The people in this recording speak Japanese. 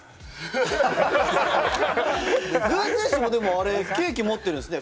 具選手もケーキ持ってるんですね。